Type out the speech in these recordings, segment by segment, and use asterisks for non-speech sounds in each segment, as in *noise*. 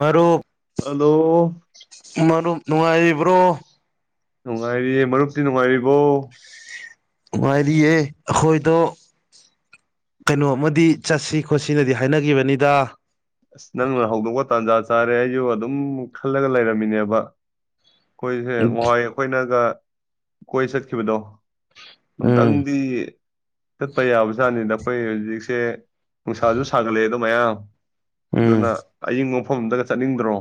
ꯃꯔ ꯍꯂꯣ ꯃꯔ ꯅꯨꯡꯉꯥꯏꯔꯤꯕ꯭ꯔꯣ ꯅꯨꯡꯉꯥꯏꯔꯤ ꯃꯔꯨꯞ ꯅꯉꯥꯏꯔꯤꯕ ꯉꯅꯨꯡꯉꯥꯏꯔꯤꯌꯦ ꯑꯩꯈꯣꯏꯗꯣ ꯀꯩꯅꯣꯃ ꯆꯠꯁꯤ ꯈꯣꯠꯁꯤꯅꯗꯤ ꯍꯥꯏꯅꯈꯤꯕꯅꯤꯗ ꯑꯁ ꯅꯪꯅ ꯍꯧꯗꯣꯛꯄ ꯇꯥꯟꯖꯥ ꯆꯥꯔꯦ ꯑꯩꯁꯨ ꯑꯗꯨꯝ ꯈꯜꯂꯒ ꯂꯩꯔꯝꯃꯤꯅꯦꯕ ꯑꯩꯈꯣꯏꯁꯦ ꯋꯥꯍꯣꯏ ꯑꯩꯈꯣꯏꯅꯒ ꯀꯣꯏ ꯁꯠꯈꯤꯕꯗꯥꯑꯣ ꯎꯝ ꯗꯪꯗꯤ ꯆꯠꯄ ꯌꯥꯕꯖꯥꯠꯅꯤꯗ ꯑꯩꯈꯣꯏ ꯍꯧꯖꯤꯛꯁꯦ ꯅꯨꯡꯁꯥꯁꯨ ꯁꯥꯒꯠꯂꯛꯑꯦꯗꯣ ꯃꯌꯥꯝ ꯎꯝ ꯑꯗꯨꯅ ꯑꯌ ꯃꯐꯝꯗꯒ ꯆꯠꯅꯤꯡꯗ꯭ꯔꯣ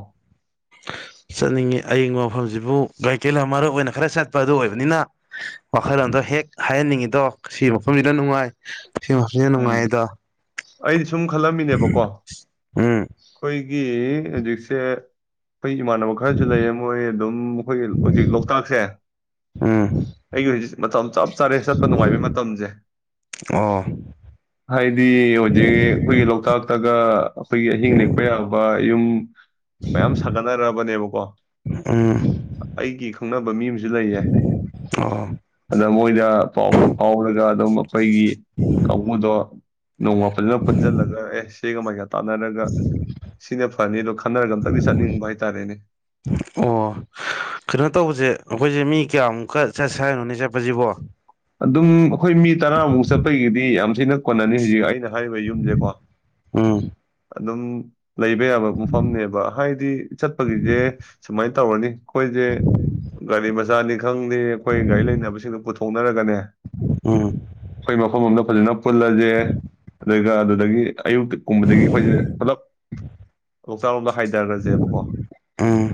ꯆꯠꯅꯤꯡꯉꯤ ꯑꯌꯤꯡꯕ ꯃꯐꯝꯁꯤꯕꯨ ꯀꯥꯏꯀꯦꯜ ꯑꯃ ꯃꯔꯨ ꯑꯣꯏꯅ ꯈꯔ ꯆꯠꯄ ꯑꯗꯨ ꯑꯣꯏꯕꯅꯤꯅ ꯋꯥꯈꯜꯂꯣꯟꯗꯣ ꯍꯦꯛ ꯍꯥꯏꯍꯟꯅꯤꯡꯉꯤꯗꯣ ꯁꯤ ꯃꯐꯝꯁꯤꯗ ꯅꯨꯡꯉꯥꯏ ꯁꯤ ꯃꯐꯝꯁꯤꯅ ꯎꯝ ꯅꯨꯡꯉꯥꯏꯗꯣ ꯑꯩꯗꯤ ꯁꯨꯝ ꯈꯜꯂꯝꯃꯤꯅꯦꯕꯀꯣ ꯎꯝ ꯑꯩꯈꯣꯏꯒꯤ ꯖꯤꯁ ꯑꯩꯈꯣꯏ ꯏꯃꯥꯟꯅꯕ ꯈꯔꯁꯨ ꯂꯩꯌꯦ ꯃꯣꯏ ꯑꯗꯨꯝ ꯑꯩꯈꯣꯏꯒꯤ ꯍꯧꯖꯤꯛ ꯂꯣꯛꯇꯥꯛꯁꯦ ꯎꯝ ꯑꯩꯒꯤ ꯍꯧꯖꯤꯛ ꯃꯇꯝ ꯆꯞ ꯆꯥꯔꯦ ꯆꯠꯄ ꯅꯨꯡꯉꯥꯏꯕꯩ ꯃꯇꯝꯁꯦ ꯑꯣ ꯍꯥꯏꯗꯤ ꯍꯧꯖꯤꯛ ꯑꯩꯈꯣꯏꯒꯤ ꯂꯣꯛꯇꯥꯛꯇꯒ ꯑꯩꯈꯣꯏꯒꯤ ꯑꯍꯤꯡ ꯂꯦꯛꯄ ꯌꯥꯕ ꯌꯨꯝ *unintelligible* ꯃꯌꯥꯝ ꯁꯥꯒꯠꯅꯔꯛꯑꯕꯅꯦꯕꯀꯣ ꯎꯝ ꯑꯩꯒꯤ ꯈꯪꯅꯕ ꯃꯤ ꯑꯃꯁꯨ ꯂꯩꯌꯦ ꯑꯣ ꯑꯗ ꯃꯣꯏꯗ ꯄꯥꯎꯗꯣ ꯐꯥꯎꯔꯒ *unintelligible* ꯑꯩꯈꯣꯏꯒꯤ ꯀꯥꯡꯕꯨꯗꯣ ꯅꯣꯡꯃ ꯐꯖꯅ ꯄꯨꯟꯁꯤꯜꯂꯒ ꯑꯦ *unintelligible* ꯇꯥꯟꯅꯔꯒ ꯁꯤꯅ ꯐꯅꯤ ꯑꯗꯣ ꯈꯟꯅꯔꯒ ꯑꯝꯇꯪꯗꯤ ꯆꯠꯅꯤꯡꯕ ꯍꯥꯏꯇꯥꯔꯦꯅꯦ ꯑꯣ ꯀꯩꯅꯣ ꯇꯧꯕꯁꯦ ꯑꯩꯈꯣꯏꯁꯦ ꯃꯤ ꯀꯌꯥꯃꯨꯛꯀ ꯆꯠꯁ ꯍꯥꯏꯅꯣꯅꯦ ꯆꯠꯄꯁꯤꯕꯣ ꯑꯗꯨꯝ ꯑꯩꯈꯣꯏ ꯃꯤ ꯇꯔꯥꯃꯨꯛ ꯆꯠꯄꯒꯤꯗꯤ ꯌꯥꯝ ꯊꯤꯅ ꯀꯣꯟꯅꯅꯤ ꯍꯧꯖꯤꯛ ꯑꯩꯅ ꯍꯥꯏꯔꯤꯕ ꯌꯨꯝꯁꯦꯀꯣ ꯎꯝ ꯑꯗꯨꯝ ꯂꯩꯕ ꯌꯥꯕ ꯃꯐꯝꯅꯦꯕ ꯍꯥꯏꯗꯤ ꯆꯠꯄꯒꯤꯗꯤ ꯁꯨꯃꯥꯏꯅ ꯇꯧꯅꯤ ꯑꯩꯈꯣꯏꯁꯦ ꯒꯥꯔꯤ ꯃꯆꯥꯥꯅꯤ ꯃꯊꯪꯗꯤ ꯑꯩꯈꯣꯏ ꯒꯥꯔꯤ ꯂꯩꯅꯕꯁꯤꯡꯗꯨ ꯄꯨꯊꯣꯛꯅꯔꯒꯅꯦ ꯎꯝ ꯑꯩꯈꯣꯏ ꯃꯐꯝ ꯑꯃꯗ ꯐꯖꯅ ꯄꯨꯜꯂꯁꯦ ꯑꯗꯨꯒ ꯑꯗꯨꯗꯒꯤ ꯑꯌꯨꯛ ꯀꯨꯝꯕꯗꯒꯤ ꯑꯩꯈꯣꯏꯁꯦ ꯄꯨꯂꯞ ꯂꯣꯛꯇꯥꯛꯔꯣꯝꯗ ꯍꯥꯏꯊꯔꯁꯦꯕꯀꯣ ꯎꯝ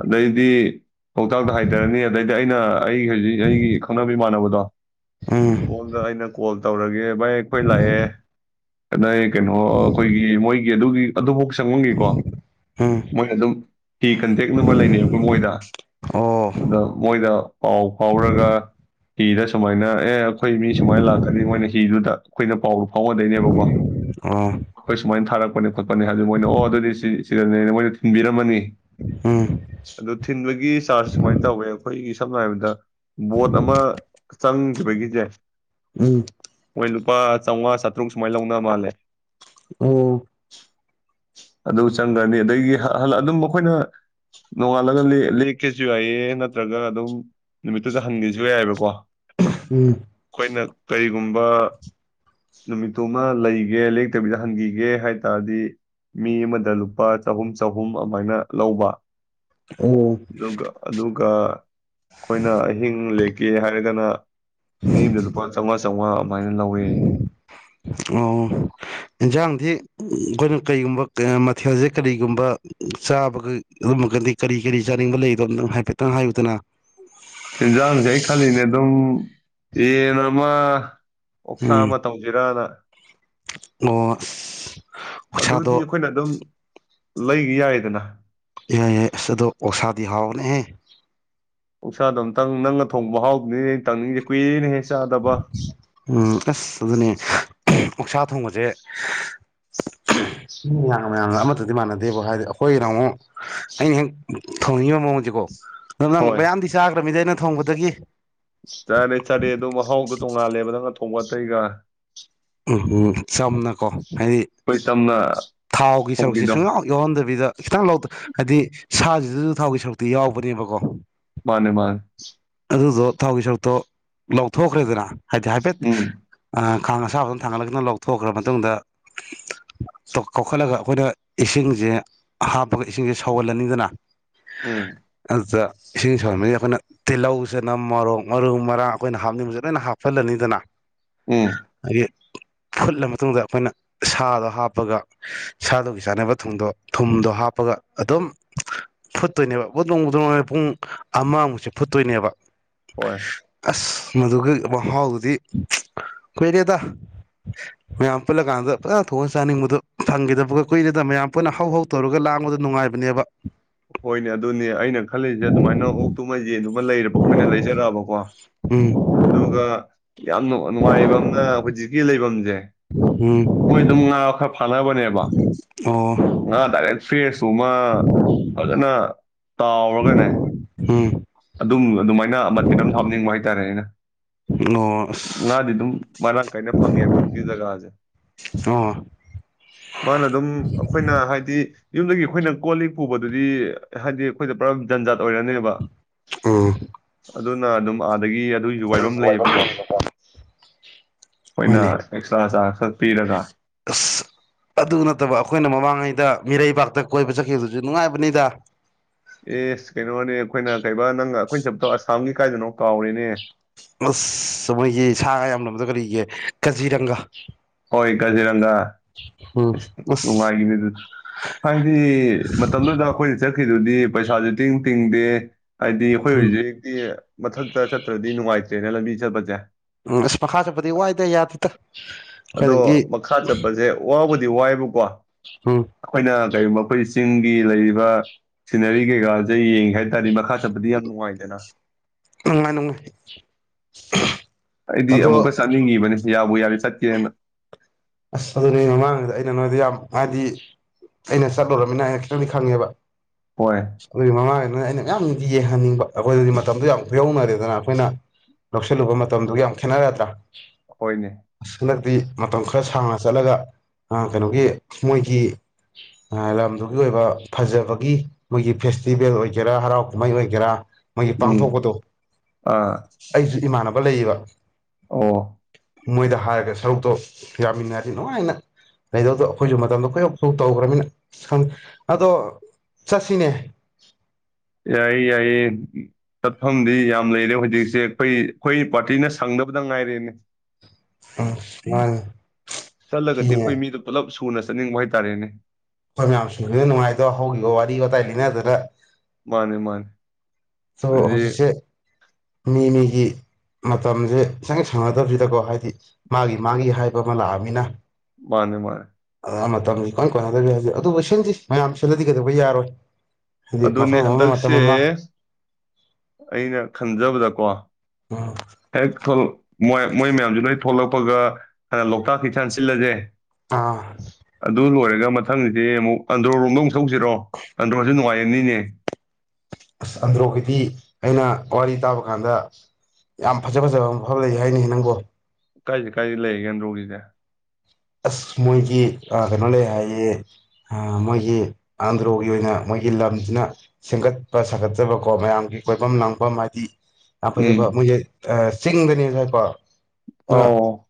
ꯑꯗꯩꯗꯤ ꯂꯧꯇꯥꯛꯇ ꯍꯥꯏꯊꯔꯅꯤ ꯑꯗꯩꯗꯤ ꯑꯩꯅ ꯑꯩꯒꯤ ꯍꯧꯖꯤꯛ ꯑꯩꯒꯤ ꯈꯪꯅꯕ ꯏꯃꯥꯟꯅꯕꯗꯣ ꯎꯝ ꯃꯉꯣꯟꯗ ꯏꯩꯅ ꯀꯣꯜ ꯇꯧꯔꯒꯦ ꯚꯥꯏ ꯑꯩꯈꯣꯏ ꯂꯥꯛꯑꯦ ꯑꯗꯩꯩ ꯀꯩꯅꯣ ꯑꯩꯈꯣꯏꯒꯤ ꯑꯗꯨꯒꯤ ꯑꯗꯨꯕꯨꯛ ꯆꯪꯉꯝꯈꯤꯀꯣ ꯎꯝ ꯃꯣꯏ ꯑꯗꯨꯝ ꯀꯤ ꯀꯟꯇꯦꯛ ꯅꯝꯕꯔ ꯂꯩꯅꯩꯕꯀꯣ ꯃꯣꯏꯗ ꯑꯣ ꯑꯗ ꯃꯣꯏꯗ ꯄꯥꯎ ꯐꯥꯎꯔꯒ ꯍꯤꯗ ꯁꯨꯃꯥꯏꯅ ꯑꯦ ꯑꯩꯈꯣꯏ ꯃꯤ ꯁꯨꯃꯥꯏꯅ ꯂꯥꯛꯀꯅꯤ ꯃꯣꯏꯅ ꯍꯤꯗꯨꯗ ꯑꯩꯈꯣꯏꯅ ꯄꯥꯎꯗꯨ ꯐꯥꯎꯅꯗꯣꯏꯅꯦꯕꯀꯣ ꯑꯣ ꯑꯩꯈꯣꯏ ꯁꯨꯃꯥꯏꯅ ꯊꯥꯔꯛꯄꯅꯦ ꯈꯣꯠꯄꯅꯦ ꯍꯥꯏ ꯃꯣꯏꯅ ꯑꯣ ꯑꯗꯨꯗꯤ ꯁꯤ ꯁꯤꯗꯅꯦꯅ ꯃꯣꯏꯗ ꯊꯤꯟꯕꯤꯔꯝꯃꯅꯤ ꯎꯝ ꯑꯗꯨ ꯊꯤꯟꯕꯒꯤ ꯆꯥꯔꯖ ꯁꯨꯃꯥꯏꯅ ꯇꯧꯋꯦ ꯑꯩꯈꯣꯏꯒꯤ ꯁꯝꯅ ꯍꯥꯏꯔꯕꯗ ꯕꯣꯠ ꯑꯃ ꯆꯪꯈꯤꯕꯒꯤꯁꯦ ꯎꯝ ꯃꯣꯏ ꯂꯨꯄꯥ ꯆꯧꯉꯥ ꯆꯇ꯭ꯔꯨꯛ ꯁꯨꯃꯥꯏꯅ ꯂꯧꯅꯕ ꯃꯥꯜꯂꯦ ꯑꯣ ꯑꯗꯨ ꯆꯪꯒ꯭ꯔꯅꯤ ꯑꯗꯒꯤ ꯑꯗꯨꯝ ꯑꯩꯈꯣꯏꯅ ꯅꯣꯡꯉꯥꯜꯂꯒ ꯂꯦꯛꯀꯦꯁꯨ ꯌꯥꯏꯌꯦ ꯅꯠꯇ꯭ꯔꯒ ꯑꯗꯨꯝ ꯅꯨꯃꯤꯠꯇꯨꯗ ꯍꯟꯒꯦꯁꯨ ꯌꯥꯏꯑꯕꯀꯣ ꯎꯝ ꯑꯩꯅ ꯀꯔꯤꯒꯨꯝꯕ ꯅꯨꯃꯤꯠꯇꯨꯃ ꯂꯩꯒꯦ ꯍꯤꯗ ꯍꯟꯈꯤꯒꯦ ꯍꯥꯏ ꯇꯥꯔꯗꯤ ꯃꯤ ꯑꯃꯗ ꯂꯨꯄꯥ ꯆꯍꯨꯝ ꯆꯍꯨꯝ ꯑꯗꯨꯃꯥꯏꯅ ꯂꯧꯕ ꯑꯣ ꯑꯗꯨꯒ ꯑꯗꯨꯒ ꯑꯩꯈꯣꯏꯅ ꯑꯍꯤꯡ ꯂꯦꯛꯀꯦ ꯍꯥꯏꯔꯒꯅ ꯃꯤ ꯑꯃꯗ ꯂꯨꯄꯥ ꯆꯥꯝꯃꯉꯥ ꯆꯥꯝꯃꯉꯥ ꯑꯗꯨꯃꯥꯏꯅ ꯂꯧꯋꯤ ꯌꯦꯟꯁꯥꯡꯗꯤ ꯑꯩꯈꯣꯏꯅ ꯀꯔꯤꯒꯨꯝꯕ ꯃꯊꯦꯜꯁꯦ ꯀꯔꯤꯒꯨꯝꯕ ꯆꯥꯕꯒ ꯑꯗꯨꯝꯃꯒꯗꯤ ꯀꯔꯤ ꯀꯔꯤ ꯆꯥꯅꯤꯡꯕ ꯂꯩꯗꯣꯇꯪ ꯍꯥꯏꯐꯦꯠꯇꯪ ꯍꯥꯏꯌꯨꯗꯅ ꯏꯟꯖꯥꯡꯁꯦ ꯑꯩ ꯈꯜꯂꯤꯅꯦ ꯑꯗꯨꯝ ꯌꯦꯟ ꯑꯃ ꯑꯣꯛꯁꯥ ꯎꯝ ꯑꯃ ꯇꯧꯁꯤꯔꯥꯅ ꯑꯣ ꯑꯁ ꯑꯣꯛꯁꯥꯗꯣ ꯂꯩꯒꯤ ꯌꯥꯏꯗꯅ꯫ ꯌꯥꯏ- ꯌꯥꯏ ꯑꯁ ꯑꯗꯣ ꯑꯣꯛꯁꯥꯗꯤ ꯍꯥꯎꯕꯅꯦꯍꯦ! ꯑꯣꯛꯁꯥꯗꯣ ꯑꯃꯇꯪ ꯅꯪꯅ ꯊꯣꯡꯕ ꯃꯍꯥꯎꯗꯨꯅꯤꯅꯦ ꯑꯩꯅ ꯇꯪꯅꯤꯡꯉꯤꯁꯦ ꯀꯨꯏꯔꯦꯅꯦꯍꯦ ꯆꯥꯗꯕ ꯎꯝ ꯑꯁ ꯑꯗꯨꯅꯦ ꯑꯣꯛ ꯁꯥꯥ ꯊꯣꯡꯕꯁꯦ ꯃꯤ ꯃꯌꯥꯝ ꯃꯌꯥꯝꯒ ꯑꯃꯠꯇꯗꯤ ꯃꯥꯟꯅꯗꯦꯕꯣ ꯍꯥꯏꯗꯤ ꯑꯩꯈꯣꯏꯒꯤꯅ ꯑꯃꯨꯛ ꯑꯩꯅ ꯍꯦꯛ ꯊꯣꯡꯅꯤꯡꯉꯤꯕ ꯃꯑꯣꯡꯁꯦꯀꯣ ꯑꯗꯨ ꯅꯪ ꯍꯣꯏ ꯃꯌꯥꯝꯗꯤ ꯆꯥꯈ꯭ꯔꯕꯃꯤꯗ ꯅꯪ꯫ ꯊꯣꯡꯕꯗꯒꯤ ꯆꯔ- ꯆꯔꯦ ꯑꯗꯨ ꯃꯍꯥꯎꯗꯣ ꯇꯣꯡꯉꯥꯜꯂꯦꯕ ꯅꯪꯅ ꯊꯣꯡ *unintelligible* ꯎ ꯎꯝ ꯆꯝꯅꯥꯀꯣ ꯍꯥꯏꯗꯤ ꯆꯝꯅ ꯊꯥꯎꯒꯤ ꯁꯔꯨꯛꯁꯦ ꯊꯣꯡꯕꯤꯗꯣ ꯁꯨꯡꯌꯥꯎ ꯌꯥꯎꯍꯟꯗꯕꯤꯗ ꯈꯤꯇꯪ ꯂꯧ ꯍꯥꯏꯗꯤ ꯁꯥ ꯁꯤꯗꯁꯨ ꯊꯥꯎꯒꯤ ꯁꯔꯨꯛꯇꯤ ꯌꯥꯎꯕꯅꯦꯕꯥꯀꯣ ꯃꯥꯅꯦ- ꯃꯥꯅꯦ꯫ ꯊꯥꯎꯒꯤ ꯁꯔꯨꯛꯇꯣ ꯂꯧꯊꯣꯛꯈ꯭ꯔꯦꯗꯅ ꯍꯥꯏꯗꯤ ꯍꯥꯏꯐꯦꯠ ꯎꯝ ꯑ ꯈꯥꯡ ꯑꯁꯥꯕ ꯑꯃ ꯊꯥꯡꯒꯠꯂꯒ ꯅꯪ ꯂꯧꯊꯣꯛꯈ꯭ꯔꯕ ꯃꯇꯨꯡꯗ ꯀꯣꯛ ꯈꯠꯂꯒ ꯑꯩꯈꯣꯏꯅ ꯏꯁꯤꯡꯁꯦ ꯍꯥꯞꯄꯒ ꯏꯁꯤꯡꯁꯦ ꯁꯧꯍꯜꯂꯅꯤꯗꯅ ꯎꯝ꯫ ꯑꯗꯨꯗ ꯏꯁꯤꯡ ꯁꯧꯍꯟꯕꯁꯤꯗ ꯑꯩꯈꯣꯏꯅ ꯇꯤꯜꯍꯧ ꯆꯥꯅꯝ ꯃꯣꯔꯣꯛ ꯃꯔꯨ ꯃꯔꯥꯡ ꯑꯩꯈꯣꯏꯅ ꯍꯥꯞꯅꯤꯡꯕꯁꯦ ꯂꯣꯏꯅ ꯍꯥꯞꯐꯜꯂꯅꯤꯗꯅ ꯎꯝ꯫ ꯑꯗꯒꯤ ꯐꯨꯠꯂ ꯃꯇꯨꯡꯗ ꯑꯩꯈꯣꯏꯅ ꯁꯥꯗꯣ ꯍꯥꯞꯄꯒ ꯁꯥꯗꯨꯒꯤ ꯆꯥꯅꯕ ꯊꯨꯝꯗꯣ ꯊꯨꯝꯗꯣ ꯍꯥꯞꯄꯒ ꯑꯗꯨꯝ ꯐꯨꯠꯇꯣꯏꯅꯦꯕ ꯕꯣꯗꯔꯣꯡ-ꯕꯣꯗꯔꯣꯡ ꯍꯥꯏꯔꯒ ꯄꯨꯡ ꯑꯃꯃꯨꯛꯁꯦ ꯐꯨꯠꯇꯣꯏꯅꯦꯕ ꯍꯣꯏ ꯑꯁ ꯃꯗꯨꯒꯤ ꯃꯍꯥꯎꯗꯨꯗꯤ ꯆ ꯀꯨꯏꯔꯦꯗ ꯃꯌꯥꯝ ꯄꯨꯜꯂ ꯀꯥꯟꯗ ꯐꯖꯅ ꯊꯣꯛꯉꯥ ꯆꯥꯅꯤꯡꯕꯗꯣ ꯐꯪꯈꯤꯗꯕꯒ ꯀꯨꯏꯔꯦꯗ ꯃꯌꯥꯝ ꯄꯨꯟꯅ ꯍꯧ- ꯍꯧ ꯇꯧꯔꯒ ꯂꯥꯡꯕꯗꯣ ꯅꯨꯡꯉꯥꯏꯕꯅꯦꯕ꯫ ꯍꯣꯏꯅꯦ ꯑꯗꯨꯅꯦ ꯑꯩꯅ ꯈꯜꯂꯤꯖꯦ ꯑꯗꯨꯃꯥꯏꯅ ꯑꯣꯛꯇꯨꯃ ꯌꯦꯟꯗꯨ ꯑꯃ ꯂꯩꯔꯕ ꯑꯩꯈꯣꯏꯅ ꯂꯩꯖꯔꯛꯑꯕꯀꯣ ꯑꯗꯨꯒ ꯎꯝ꯫ ꯌꯥꯝ ꯅꯨꯡꯉꯥꯏꯕ ꯑꯃꯅ ꯍꯧꯖꯤꯛꯀꯤ ꯂꯩꯕꯝꯖꯦ *inaudible* ꯃꯣꯏ ꯑꯗꯨꯝ ꯉꯥ ꯐꯅꯕꯅꯦꯕ ꯑꯣ ꯉꯥ ꯗꯥꯏꯔꯦꯛ ꯐ꯭ꯔꯦꯁ ꯇꯨꯃ ꯐꯖꯅꯥ ꯇꯥꯎꯔꯒꯅꯦ ꯎꯝ ꯑꯗꯨꯨꯡ ꯑꯗꯨꯃꯥꯏꯅ ꯑꯃ ꯈꯤꯇꯪ ꯍꯥꯞꯅꯤꯡꯕ ꯍꯥꯏꯇꯥꯔꯦ ꯑꯩꯅ ꯑꯣ ꯂꯥꯛꯗꯤ ꯑꯁ ꯑꯗꯨ ꯃꯔꯥꯡ ꯀꯥꯏꯅ ꯐꯪꯉꯦꯕ ꯍꯧꯖꯤꯛ ꯖꯒꯥꯁꯦ ꯑ ꯃꯥꯅ ꯑꯗꯨꯝ ꯑꯩꯈꯣꯏꯅ ꯍꯥꯏꯗꯤ ꯌꯨꯝꯗꯒꯤ ꯑꯩꯈꯣꯏꯅ ꯀꯣꯜ ꯂꯤꯛ ꯄꯨꯕꯗꯨꯗꯤ ꯍꯥꯏꯗꯤ ꯑꯩꯈꯣꯏꯗ ꯄꯨꯔ ꯖꯟꯖꯥꯠ ꯑꯣꯏꯔꯅꯦꯕ ꯑꯝ ꯑꯗꯨꯅ ꯑꯗꯨꯝ ꯑꯥꯗꯒꯤ ꯑꯗꯨꯒꯤꯁꯨ ꯋꯥꯏꯕꯝ ꯂꯩꯌꯦꯕꯀꯣ ꯑꯩꯈꯣꯏꯅ ꯍꯣꯏꯅꯦ ꯑꯦꯛꯁꯇ꯭ꯔꯥ ꯆꯥꯔꯖ ꯈꯛ ꯄꯤꯔꯒ ꯑꯁ ꯑꯗꯨ ꯅꯠꯇꯕ ꯑꯩꯈꯣꯏꯅ ꯃꯃꯥꯡꯉꯩꯗ ꯃꯤꯔꯩꯕꯥꯛꯇ ꯀꯣꯏꯕ ꯆꯠꯈꯤꯕꯗꯨꯁꯨ ꯅꯨꯡꯉꯥꯏꯕꯅꯤꯗ ꯑꯦꯁ ꯀꯩꯅꯣꯅꯦ ꯑꯩꯈꯣꯏꯅ ꯀꯩ ꯅꯪ ꯑꯩꯈꯣꯏ ꯆꯄꯇꯣ ꯑꯁꯥꯝꯒꯤ ꯀꯥꯏꯗꯅꯣ ꯀꯥꯎꯔꯤꯅꯦ ꯑꯁ ꯃꯣꯏꯒꯤ ꯁꯥꯒ ꯌꯥꯝ ꯂꯝꯕꯗ ꯀꯔꯤꯒꯤ ꯀꯖꯤꯔꯪꯒ ꯍꯣꯏ ꯀꯖꯤꯔꯪꯒꯥ ꯎꯝ ꯑꯁ ꯑꯁ ꯅꯨꯡꯉꯥꯏꯈꯤꯅꯤ ꯑꯗꯨꯁꯨ ꯍꯥꯏꯗꯤ ꯃꯇꯝꯗꯨꯗ ꯑꯩꯈꯣꯏ ꯆ ꯆꯈꯤꯗꯨꯗꯤ ꯄꯩꯁꯥꯁꯨ ꯇꯤꯡ ꯇꯤꯡꯗꯦ ꯍꯥꯏꯗꯤ ꯑꯩꯈꯣꯏ ꯎꯝ ꯍꯧꯖꯤꯛ ꯍꯧꯖꯤꯛꯇꯤ ꯃꯊꯛ ꯆꯠꯇ꯭ꯔꯗꯤ ꯅꯨꯡꯉꯥꯏꯇ꯭ꯔꯦꯅꯦ ꯂꯝꯕꯤ ꯆꯠꯄꯁꯦ ꯎꯝ ꯏꯁ ꯃꯈꯥ ꯆꯠꯄꯗꯤ ꯋꯥꯏꯗ ꯌꯥꯗꯦꯇ ꯑꯗꯣ ꯃꯈꯥ ꯆꯠꯄꯁꯦ ꯋꯥꯎꯕꯗꯤ ꯋꯥꯏꯕꯀꯣ ꯎꯝ ꯑꯩꯈꯣꯏꯅ ꯀꯔꯤꯒꯨꯝꯕ ꯑꯩꯈꯣꯏ ꯆꯤꯡꯒꯤ ꯂꯩꯔꯤꯕ ꯁꯤꯅꯔꯤ ꯀꯩꯀꯥꯁꯦ ꯌꯦꯡꯉꯦ ꯍꯥꯏꯕ ꯇꯥꯔꯗꯤ ꯃꯈꯥ ꯆꯠꯄꯗꯤ ꯌꯥꯝ ꯅꯨꯡꯉꯥꯏꯗꯅ ꯅꯨꯡꯉꯥꯏ ꯅꯅꯨꯡꯉꯥꯏ *unintelligible* ꯑꯩꯗꯤ ꯑꯃꯨꯛꯀ ꯆꯠꯅꯤꯡꯉꯤꯕꯅꯤ ꯌꯥꯎꯕꯨ ꯌꯥ ꯁꯇ ꯑꯃ ꯑꯁ ꯑꯗꯨꯅꯦ ꯃꯃꯥꯡꯁꯤꯗ ꯑꯩꯅ ꯅꯣꯏꯗ ꯌꯥꯝ ꯍꯥꯏꯗꯤ ꯑꯩꯅ ꯆꯠꯂꯨꯃꯤꯅ ꯑꯩꯅ ꯈꯤꯇꯪꯗꯤ ꯈꯪꯉꯦꯕ ꯍꯣꯏ ꯑꯗꯨꯒꯤ ꯃꯃꯥꯡꯒꯤ ꯑꯩꯅ ꯌꯥꯝ ꯅꯨꯡꯇꯌꯦ ꯈꯪꯍꯟꯅꯤꯡꯕ ꯑꯩꯈꯣꯏꯗꯗꯤ ꯃꯇꯝꯗꯨꯣ ꯌꯥꯝ ꯀꯌꯧꯅꯔꯦꯗꯅ ꯑꯩꯈꯣꯏꯅ ꯂꯧꯁꯤꯜꯂꯨꯕ ꯃꯇꯝꯗꯨꯒ ꯌꯥꯝ ꯈꯦꯠꯅꯔꯗ꯭ꯔꯥ ꯑꯩꯈꯣꯏꯅꯦ ꯃ ꯃꯇꯝꯣꯟ ꯈ ꯈꯔ ꯁꯥꯡꯅ ꯆꯠꯂꯒ ꯀꯩꯅꯣꯒꯤ ꯃꯣꯏꯒꯤ ꯂꯝꯗꯨꯒꯤ ꯑꯣꯏꯕ ꯐꯖꯕꯒꯤ ꯃꯣꯏꯒꯤ ꯐꯦꯁꯇꯤꯚꯦꯜ ꯑꯣꯏꯒꯦꯔꯥ ꯍꯔꯥꯎ ꯀꯨꯝꯍꯩ ꯑꯣꯏꯒꯦꯔꯥ ꯃꯣꯏꯒꯤ ꯎꯝ ꯄꯥꯡꯊꯣꯛꯄꯗꯣ ꯑꯥ ꯑꯩꯁꯨ ꯏꯃꯥꯟꯅꯕ ꯕꯂꯕ ꯑꯣ ꯃꯣꯏꯗ ꯍꯥꯏꯔꯒ ꯁꯔꯨꯛꯇꯣ ꯌꯥꯃꯤꯟꯅꯔꯁꯤ ꯅꯨꯡꯉꯥꯏꯅ ꯂꯩꯗꯧꯗꯣ ꯑꯩꯈꯣꯏꯁꯨ ꯃꯇꯝꯗꯣ ꯀꯣꯏꯧꯁꯨ ꯇꯧꯈ꯭ꯔꯅꯤꯅ ꯈꯪ ꯑꯗꯣ ꯆꯠꯁꯤꯅꯦ ꯌꯥꯏꯌꯦ ꯌꯥꯏꯌꯦ ꯆꯠꯐꯝꯗꯤ ꯌꯥꯝ ꯂꯩꯔꯦ ꯍꯧꯖꯤꯛꯁꯦ ꯑꯩꯈꯣꯏ ꯑꯩꯈꯣꯏ ꯄꯥꯔꯇꯤꯅ ꯁꯪꯗꯕꯗ ꯉꯥꯏꯔꯦꯅꯦ ꯑ ꯆꯠꯂꯒꯗꯤ ꯑꯩꯈꯣꯏ ꯃꯤꯗ ꯄꯨꯂꯞ ꯊꯨꯅ ꯆꯠꯅꯤꯡꯕ ꯍꯥꯏꯇꯥꯔꯦꯅꯦ ꯑꯩꯈꯣꯏ ꯃꯌꯥꯝꯁꯤꯡꯗꯨꯅ ꯅꯨꯡꯉꯥꯏꯗꯣ ꯍꯧꯈꯤꯕ ꯋꯥꯔꯤ ꯋꯥꯇꯥꯏ ꯂꯩꯅ ꯑꯗꯨꯅ ꯃꯥꯅꯦ ꯃꯥꯅꯦ ꯇꯣ ꯍꯧꯖꯤꯛ ꯍꯧꯖꯤꯛꯁꯦ ꯃꯤ ꯃꯤꯒꯤ ꯃꯇꯝꯁꯦ ꯁꯪ ꯁꯪꯅꯗꯕꯁꯤꯗꯀꯣ ꯍꯥꯏꯗꯤ ꯃꯥꯒꯤ ꯃꯥꯒꯤ ꯍꯥꯏꯕ ꯑꯃ ꯂꯥꯛꯑꯅꯤꯅ ꯃꯥꯅꯦ ꯃꯥꯅꯦ ꯃꯇꯝꯁꯤ ꯀꯣꯏꯅ ꯀꯣꯟꯅꯗꯕꯤ ꯍꯥꯏꯁꯦ ꯑꯗꯨꯕꯨ ꯁꯤꯟꯁꯤ ꯃꯌꯥꯝ ꯁꯤꯜꯂꯗꯤ ꯀꯩꯗꯧꯕ ꯌꯥꯔꯣꯏ ꯍꯥꯏꯗꯤ ꯑꯗꯨꯅꯦ ꯃꯐꯝ ꯑꯃ ꯍꯟꯗꯛꯁꯦ ꯃꯇꯝ ꯑꯃ ꯑꯩꯅ ꯈꯟꯖꯕꯗꯀꯣ ꯎꯝ ꯍ ꯈ ꯃꯣꯏ ꯃꯣꯏ ꯃꯌꯥꯝꯁꯨ ꯅꯣꯏ ꯊꯣꯛꯂꯛꯄꯒ ꯍꯅ ꯂꯣꯛꯇꯥꯛ ꯍꯩꯁꯥꯟ ꯁꯤꯜꯂꯁꯦ ꯑꯥ ꯗꯔ ꯍꯔꯦ ꯃꯊꯪ ꯑꯟꯗ꯭ꯔꯝ ꯑꯃꯨꯛꯁꯤꯔꯣ ꯑ ꯉꯅꯤꯅꯦ ꯑꯁ ꯑꯟꯗ꯭ꯔꯣꯒꯤꯗꯤ ꯑꯩꯅ ꯋꯥꯔꯤ ꯇꯥꯕ ꯀꯥꯟꯗ ꯌꯥꯝ ꯐꯖ ꯐꯖꯕ ꯃꯐꯝ ꯂꯩ ꯍꯥꯏꯅꯤ ꯅꯪꯕꯨꯣ ꯀꯥꯏꯁꯤ ꯀꯥꯏꯗ ꯂꯩꯒꯦꯟꯗ꯭ꯔꯣꯒꯤꯁꯦ ꯑꯁ ꯃꯣꯏꯒꯤ ꯀꯩꯅꯣ ꯂꯩ ꯍꯥꯏꯌꯦ ꯃꯣꯏꯒꯤ ꯑꯟꯗ꯭ꯔꯣꯒꯤ ꯑꯣꯏꯅ ꯃꯣꯏꯒꯤ ꯂꯝꯁꯤꯅ ꯁꯦꯝꯒꯠꯄ ꯁꯥꯒꯠꯆꯕꯀꯣ ꯃꯌꯥꯝꯒꯤ ꯀꯣꯏꯐꯝ ꯂꯥꯡꯐꯝ ꯍꯥꯏꯗꯤ ꯎꯝ ꯑꯁꯄꯦ ꯆꯤꯡꯗꯅꯤꯁꯨꯥꯏꯀꯣ ꯑꯣ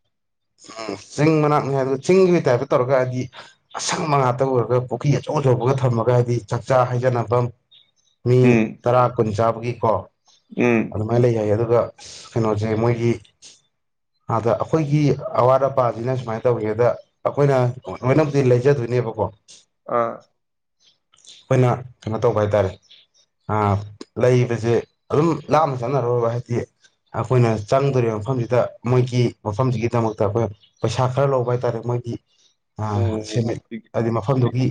ꯁꯤꯤꯡ ꯃꯅ ꯪ ꯑ ꯆꯤꯡꯒꯤ ꯇꯥꯏꯞꯇ ꯇꯧꯔꯒ ꯍꯥꯏꯗꯤ ꯑꯁꯪꯕ ꯉꯥꯛꯇ ꯎꯔꯒ ꯄꯨꯈ꯭ꯔꯤ ꯑꯆꯧ ꯑꯆꯧꯕꯒ ꯊꯝꯃꯒ ꯍꯥꯏꯕꯗꯤ ꯆꯥꯛꯆꯥ ꯍꯩꯖꯅꯐꯝ ꯃꯤ ꯎꯝ ꯇꯔꯥ ꯀꯨꯟꯖꯥ ꯑꯗꯨꯒꯤꯀꯣ ꯎꯝ ꯑꯗꯨꯗ ꯃꯦꯂ ꯑꯗꯨꯣ ꯑꯗꯨꯒ ꯀꯩꯅꯣꯁꯦ ꯃꯣꯏꯒꯤ ꯑꯗ ꯑꯩꯈꯣꯏꯒꯤ ꯑꯋꯥꯠ ꯑꯄꯥꯁꯤꯅ ꯁꯨꯃꯥꯏꯅ ꯇꯧꯒꯦ ꯑꯗ ꯑꯩꯈꯣꯏꯅ ꯂꯣꯏꯅꯕꯨꯗꯤ ꯂꯩꯖꯗꯣꯏꯅꯦꯕꯀꯣ ꯑꯥ ꯑꯩꯈꯣꯏꯅ ꯀꯩꯅꯣ ꯇꯧꯕ ꯍꯥꯏ ꯇꯥꯔꯦ ꯂꯩꯕꯁꯦ ꯑꯗꯨꯝ ꯂꯥꯞꯅ ꯆꯠꯅꯔꯣꯏꯕ ꯍꯥꯏꯕꯗꯤ ꯑꯩꯈꯣꯏꯅ ꯆꯪꯗꯣꯔꯤꯕ ꯃꯐꯝꯁꯤꯗ ꯃꯣꯏꯒꯤ ꯃꯐꯝꯁꯤꯒꯤꯗꯃꯛꯇ ꯑꯩꯈꯣꯏ ꯄꯩꯁꯥ ꯈꯔ ꯂꯧꯕ ꯍꯥꯏꯇꯥꯔꯦ ꯃꯣꯏꯒꯤ ꯑ ꯑꯣ ꯁꯦꯝꯃꯤ ꯇꯤꯛ ꯍꯥꯏꯗꯤ ꯇꯤꯛ ꯃꯐꯝꯗꯨꯒꯤ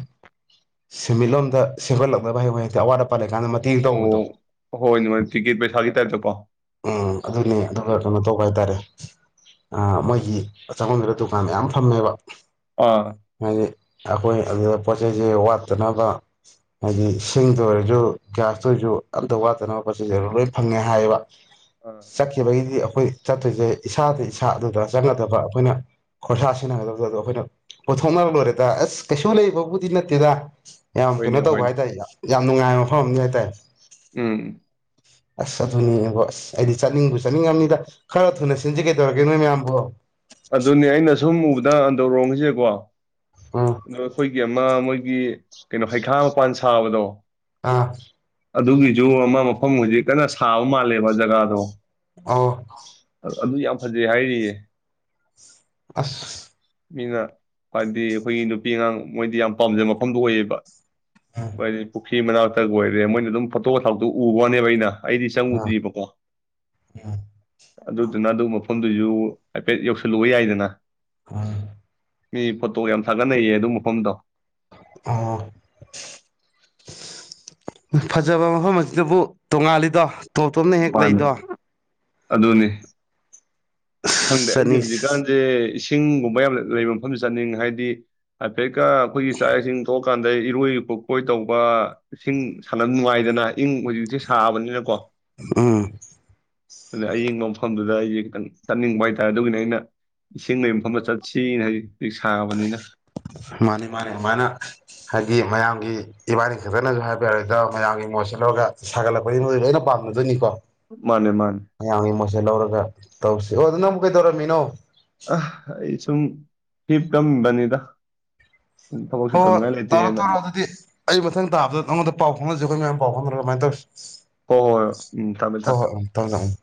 ꯁꯦꯟꯃꯤꯠꯂꯣꯟꯝꯗ ꯁꯦꯝꯒꯠꯂꯛꯅꯕ ꯍꯥꯏ ꯍꯦꯛꯇ ꯑꯋꯥꯠ ꯑꯄꯥ ꯂꯩ ꯀꯀꯥꯟꯗ ꯃꯇꯦꯡ ꯇꯧꯕꯗꯣ ꯑꯣ ꯍꯣꯏꯅꯦ ꯍꯣꯏꯅꯦ ꯇꯤꯀꯦꯠ ꯄꯩꯁꯥꯒꯤ ꯇꯥꯏꯞꯇꯀꯣ ꯎꯝ ꯑꯗꯨꯅꯦ ꯎꯝ ꯑꯗꯨꯒ ꯀꯩꯅꯣ ꯇꯧꯕ ꯍꯥꯏꯇꯥꯔꯦ ꯑꯥ ꯃꯣꯏꯒꯤ ꯆꯪꯕꯝ ꯗꯨꯗꯥ ꯗꯨꯀꯥꯟ ꯃꯌꯥꯝ ꯐꯝꯃꯦꯕ ꯑꯥ *unintelligible* ꯍꯥꯏꯗꯤ ꯑꯩꯈꯣꯏ ꯑꯗꯨꯗ ꯄꯣꯠ ꯆꯩꯩꯖꯦ ꯋꯥꯠꯇꯅꯕ ꯍꯥꯏꯗꯤ ꯁꯤꯡꯗ ꯑꯣꯏꯔꯁꯖꯨ ꯒ꯭ꯌꯥꯁꯇ ꯑꯣꯏꯔꯖꯨ ꯑꯝꯇ ꯋꯥꯠꯇꯅꯕ ꯄꯣꯠꯆꯁꯦ ꯂꯣꯏ ꯐꯪꯉꯦ ꯍꯥꯏꯌꯦꯕ ꯑꯥ ꯆꯠꯈꯤ ꯕꯩꯗꯤ ꯑꯩꯈꯣꯏ ꯆꯠꯇ꯭ꯔꯤꯖꯦ ꯏꯁꯥꯗ ꯏꯁꯥ ꯑꯗꯨꯗ ꯆꯪꯒꯗꯕ ꯑꯩꯈꯣꯏꯅ ꯈꯣꯔꯁꯥ ꯁꯤꯖꯤꯟꯅꯒꯗꯕꯗꯣ ꯑꯩꯈꯣꯏꯅ ꯄꯨꯊꯣꯛꯅꯔ ꯂꯣꯏꯔꯦꯗ ꯑꯁ ꯀꯩꯁꯨ ꯂꯩꯕꯕꯨꯗꯤ ꯅꯠꯇꯦꯗ ꯌꯥꯝ ꯍꯣꯏꯅꯦ ꯀꯩꯅꯣ ꯇꯧꯕ ꯍꯣꯏꯅꯦ ꯍꯥꯏꯇꯥꯔꯦ ꯌꯥꯝ ꯅꯨꯡꯉꯥꯏꯕ ꯃꯐꯝ ꯑꯝꯅꯤ ꯍꯥꯏꯇꯥꯔꯦ ꯎꯝ ꯑꯁ ꯑꯗꯨꯅꯤꯅꯦ ꯑꯁ ꯑꯩꯗꯤ ꯆꯠꯅꯤꯡꯕꯨ ꯆꯠꯅꯤꯡꯉꯃꯤꯗ ꯈꯔ ꯊꯨꯅꯁꯤ ꯁꯤꯟꯖꯦ ꯀꯩꯇꯧꯔꯒꯦ ꯅꯣꯏ ꯃꯌꯥꯝꯕꫭ ꯑꯗꯨꯅꯦ ꯑꯩꯅ ꯁꯨꯝ ꯎꯕꯗ ꯑꯟꯗ꯭ꯔꫭꯝꯒꯤꯖꯦꯀꫭ ꯎꯝ *unintelligible* ꯒꯤ ꯑꯃ ꯃꯣꯏꯒꯤ ꯀꯩꯅꯣ ꯍꯩꯈꯥ ꯃꯄꯥꯟ ꯁꯥꯕꯗꯣ ꯑꯥ ꯑꯗꯨꯒꯤꯖꯨ ꯑꯃ ꯃꯐꯝ ꯍꯧꯖꯤꯛ ꯀꯟꯅ ꯁꯥꯕ ꯃꯥꯜꯂꯦꯕ ꯖꯒꯥꯗꯣ ꯑ *unintelligible* ꯐꯥꯖꯩ ꯍꯥꯏꯔꯤꯌꯦ ꯑꯁ ꯃꯤꯅꯥ ꯍꯥꯏꯕꯗꯤ ꯑꯩꯈꯣꯏꯒꯤ ꯅꯨꯄꯤ ꯑꯉꯥꯡ ꯃꯣꯏꯗꯤ ꯌꯥꯝ ꯄꯥꯝꯖꯕ ꯃꯐꯝꯗꫭ ꯑꯣꯏꯌꯦꯕ ꯃꯥꯔꯇꯕꯦ ꯄꯨ ꯄꯨꯈꯤ ꯃꯅꯥꯛꯇꯒ ꯑꫭꯏꯔꯦ ꯃꯣꯏꯅ ꯑꯗꯨꯝ ꯐꯣꯇꯣꯒ ꯊꯥꯒꯠꯂꯛꯄꯗꫭ ꯎꯕ ꯋꯥꯅꯦꯕ ꯑꯩꯅ ꯑꯩꯗꯤ ꯎꯝ ꯆꯪꯉꯨꯗ꯭ꯔꯤꯕꯀꯣ ꯎꯝ ꯑꯗꯨꯗꯨꯅ ꯑꯗꯨ ꯃꯐꯝꯗꯨꯖꯨ ꯍꯥꯏꯐꯦꯠ ꯌꯧꯁꯜꯂꯨꯕ ꯌꯥꯏꯗꯅ ꯑꯥ ꯃꯤ ꯐꫭꯠꯇꫭ ꯊꯥꯒꯠꯅꯩꯌꯦ ꯑꯗꯨ ꯃꯐꯝꯗꯣ ꯑꯣ *inaudible* ꯐꯖꯕ ꯃꯐꯝ ꯑꯁꯤꯗꯕꯨ ꯇꯣꯡꯉꯥꯜꯂꯤꯗꯣ ꯇꯣꯞ ꯇꯣꯞꯅ ꯍꯦꯛ ꯃꯥꯅꯦ ꯂꯩꯗꯣ ꯑꯗꯨꯅꯤ ꯈꯪꯗꯦ ꯆꯅꯤ ꯑꯩꯗꯤ ꯍꯧꯖꯤꯛ ꯀꯥꯟꯁꯦ ꯆꯤꯡꯒꯨꯝꯕ ꯌꯥꯝ ꯂꯩꯕ ꯃꯐꯝꯗ ꯆꯥꯅꯤꯡꯉꯩ ꯍꯥꯏꯗꯤ ꯀꯩꯀꯥ ꯑꯩꯈꯣꯏꯒꯤ ꯆꯛ ꯏꯁꯤꯡ ꯀꯥꯟꯗ ꯏꯔꯣꯏ ꯄꯣꯛꯄꯣꯏ ꯇꯧꯕ ꯏꯁꯤꯡ ꯁꯥꯟꯅꯕ ꯅꯨꯡꯉꯥꯏꯗꯅ ꯏꯪ ꯍꯧꯖꯤꯛꯁꯦ ꯁꯥꯕꯅꯤꯅꯀꯣ ꯎꯝ ꯑꯗꯨꯅ ꯑꯌꯤꯡꯕ ꯃꯐꯝꯗꯨꯗ ꯑꯩꯁꯦ ꯈꯤꯇꯪ ꯆꯠꯅꯤꯡꯕ ꯍꯥꯏꯇꯥꯔꯦ ꯑꯗꯨꯒꯤꯅꯦ ꯑꯩꯅ ꯏꯁꯤꯡ ꯂꯩꯕ ꯃꯐꯝꯗ ꯆꯠꯁꯤꯅ ꯍꯥꯏꯖꯦ ꯍꯧꯖꯤꯛ ꯁꯥꯕꯅꯤꯅ ꯃꯥꯅꯤ ꯃꯥꯅꯤ ꯑꯗꯨꯃꯥꯏꯅ ꯍꯥꯏꯗꯤ ꯃꯌꯥꯝꯒꯤ ꯏꯕꯥꯅꯤ ꯈꯛꯇꯅꯁꯨ ꯍꯥꯏꯕ ꯌꯥꯔꯣꯏꯗꫭ ꯃꯌꯥꯝꯒꯤ ꯃꯣꯠꯁꯨ ꯂꯧꯔꯒ ꯁꯥꯒꯠꯂꯛꯄꯅꯤꯅ ꯃꯣꯏꯖꯨ ꯂꯣꯏꯅ ꯄꯥꯝꯅꯗꯣꯏꯅꯤꯀꯣ ꯃꯥꯅꯦ ꯃꯥꯅꯦ ꯃꯌꯥꯝꯒꯤ ꯃꯣꯠꯁꯦ ꯂꯧꯔꯒ ꯇꯧꯁꯤ ꯑꯣ ꯑꯗꯨ ꯅ ꯑꯃꯨꯛ ꯀꯩꯗꯧꯔꯝꯃꯤꯅꯣ ꯑ ꯑꯩ ꯁꯨꯝ ꯊꯤꯞ ꯀꯝ ꯅꯤꯗ ꯍꯣꯏ ꯍꯣꯏ ꯇꯧꯔꯣ ꯇꯧꯔꯣ ꯑꯗꯨꯗꯤ ꯑꯩ ꯃꯊꯪ ꯇꯥꯕꯗ ꯅꯪꯉꯣꯟꯗ ꯄꯥꯎ ꯐꯥꯎꯅꯖꯦ ꯑꯩꯈꯣꯏ ꯃꯌꯥꯝ ꯍꯥꯎꯟ ꯃꯥꯏ ꯍꯣꯏ ꯍꯣꯏ ꯍꯣꯏ. ꯎꯝ ꯊꯝꯃꯦ ꯊꯝꯃꯦ ꯍꯣꯏ ꯍꯣꯏ ꯑꯣꯟꯇꯪ ꯉꯝ *unintelligible*